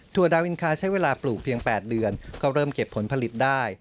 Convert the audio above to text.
ดาวอินคาใช้เวลาปลูกเพียง๘เดือนก็เริ่มเก็บผลผลิตได้